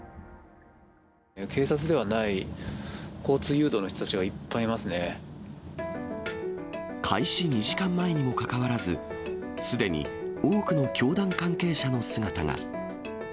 警察ではない交通誘導の人た開始２時間前にもかかわらず、すでに多くの教団関係者の姿が。